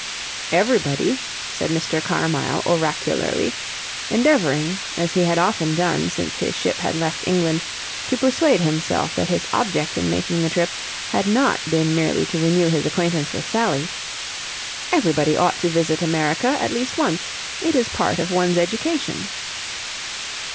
Everybody," said Mr. Carmyle oracularly, endeavouring, as he had often done since his ship had left England, to persuade himself that his object in making the trip had not been merely to renew his acquaintance with Sally, "everybody ought to visit America at least once. It is part of one's education."